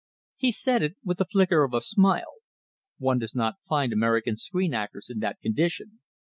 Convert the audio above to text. He said it with the flicker of a smile "One does not find American screen actors in that condition.